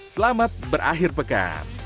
selamat berakhir pekan